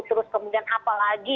terus kemudian apalagi